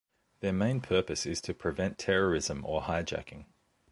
Their main purpose is to prevent terrorism or hijacking.